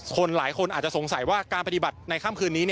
หลายคนอาจจะสงสัยว่าการปฏิบัติในค่ำคืนนี้